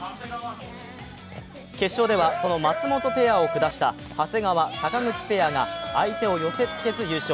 決勝では、その松本ペアを下した長谷川・坂口ペアが相手を寄せつけず優勝。